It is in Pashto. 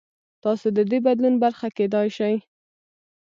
تاسو د دې بدلون برخه کېدای شئ.